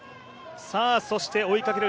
そして追いかける